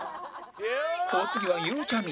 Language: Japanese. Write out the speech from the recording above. お次はゆうちゃみ